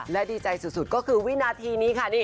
และดีใจสุดก็คือวินาทีนี้ค่ะ